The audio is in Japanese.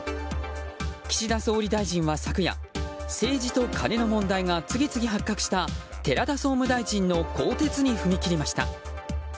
岸田総理大臣は昨夜政治とカネの問題が次々発覚した寺田総務大臣の更迭に踏み切りました。